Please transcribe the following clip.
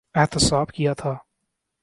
احتساب کیا تھا۔